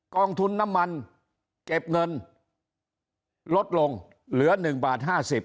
องทุนน้ำมันเก็บเงินลดลงเหลือ๑บาท๕๐